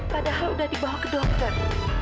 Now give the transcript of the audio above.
padahal sudah dibawa ke dokter